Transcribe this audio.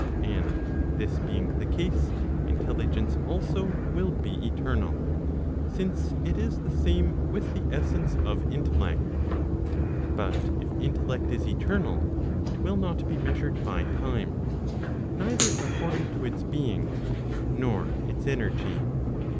And this being the case, intelligence also will be eternal, since it is the same with the essence of intellect. But if intellect is eternal,* it will not be measured by time, neither according to its being, nor its energy.